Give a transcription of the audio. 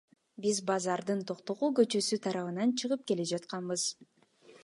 Биз базардын Токтогул көчөсү тарабынан чыгып келе жатканбыз.